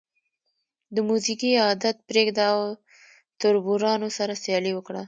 د موزیګي عادت پرېږده او تربورانو سره سیالي وکړه.